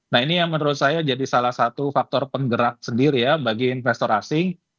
nah ini yang menurut saya jadi salah satu faktor penggerak sendiri ya bagi investor asing